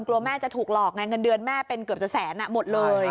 แม่จะถูกหลอกไงเงินเดือนแม่เป็นเกือบจะแสนหมดเลย